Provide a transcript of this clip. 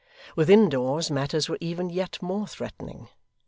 Within doors, matters were even yet more threatening.